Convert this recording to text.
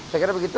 saya kira begitu